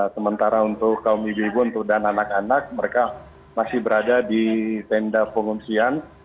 sementara untuk kaum ibu ibu dan anak anak mereka masih berada di tenda pengungsian